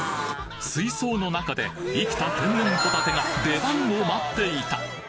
水槽の中で生きた天然ホタテが出番を待っていた